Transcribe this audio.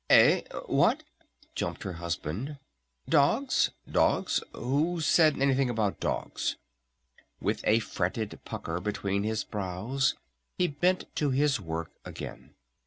"Eh? What?" jumped her husband. "Dogs? Dogs? Who said anything about dogs?" With a fretted pucker between his brows he bent to his work again.